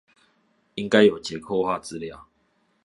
應該有結構化資料